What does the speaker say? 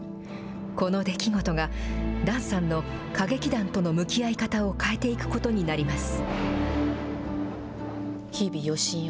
この出来事が檀さんの歌劇団との向き合い方を変えていくことになります。